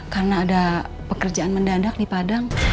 karena ada pekerjaan mendadak di padang